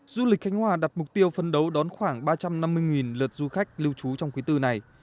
du lịch khánh hòa đặt mục tiêu phân đấu đón khoảng ba trăm năm mươi lượt du khách lưu trú trong quý tư này